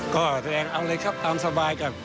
ก็แสดงเอาเลยครับตามสบายก่อน